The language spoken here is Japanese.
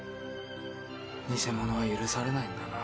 偽者は許されないんだな